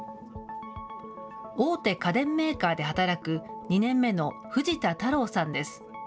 大手家電メーカーで働く２年目の藤田太郎さんです。